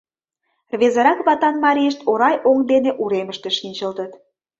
Рвезырак ватан марийышт орай оҥ дене уремыште шинчылтыт.